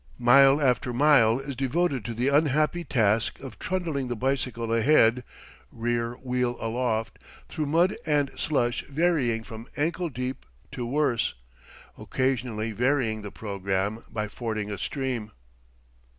Mile after mile is devoted to the unhappy task of trundling the bicycle ahead, rear wheel aloft, through mud and slush varying from ankle deep to worse, occasionally varying the programme by fording a stream.